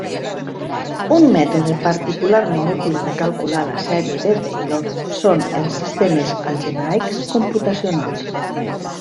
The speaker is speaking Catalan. Un mètode particularment útil de calcular la sèrie de Taylor són els sistemes algebraics computacionals.